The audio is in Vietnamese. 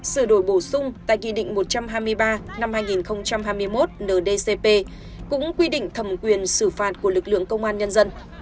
sửa đổi bổ sung tại kỷ định một trăm hai mươi ba năm hai nghìn hai mươi một ndcp cũng quy định thẩm quyền xử phạt của lực lượng công an nhân dân